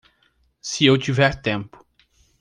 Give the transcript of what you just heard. Se eu tiver tempo